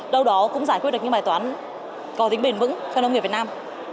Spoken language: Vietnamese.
đâu đó cũng giải quyết được những bài toán có tính bền vững cho nông nghiệp việt nam